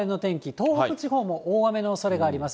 東北地方も大雨のおそれがあります。